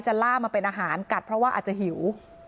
ล่ามาเป็นอาหารกัดเพราะว่าอาจจะหิว